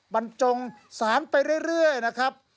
บรรจงสารไปเรื่อยนะครับ